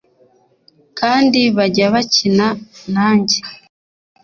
Kandi bajya bakina nanjye